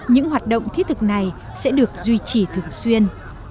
những hoạt động thiết thực này sẽ được duy trì thường xuyên